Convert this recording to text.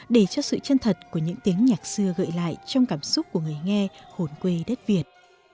để cho sự chân thật của những tiếng nhạc xưa gợi lại trong cảm xúc của người nghe hồn quê đất việt